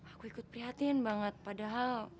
aku ikut prihatin banget padahal